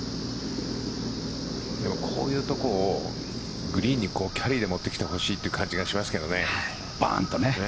こういうところをグリーンにキャリーで持ってきてほしいという感じがしますけどね。